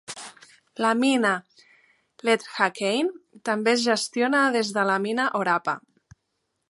La mina Letlhakane també es gestiona des de la mina Orapa.